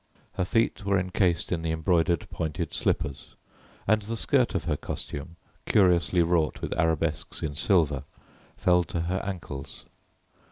Her feet were encased in the embroidered pointed slippers and the skirt of her costume, curiously wrought with arabesques in silver, fell to her ankles.